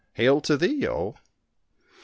"—" Hail to thee, Oh